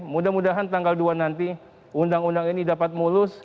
mudah mudahan tanggal dua nanti undang undang ini dapat mulus